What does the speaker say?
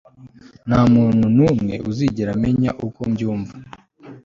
ntamuntu numwe uzigera amenya uko mbyumva